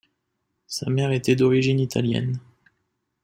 Sa mère était d'origine italienne.